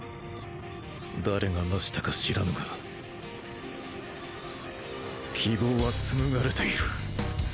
誰が成したか知らぬが希望は紡がれている！